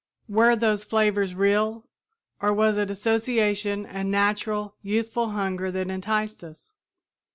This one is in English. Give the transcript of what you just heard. Were those flavors real, or was it association and natural, youthful hunger that enticed us?